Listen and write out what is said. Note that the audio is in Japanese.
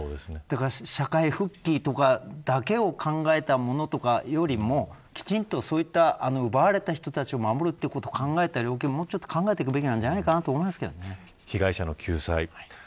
社会復帰とかだけを考えたものとかよりもきちんとそういった奪われた人たちを守るということを考えた量刑をもうちょっと考えていくべきじゃないかと思いますけどね。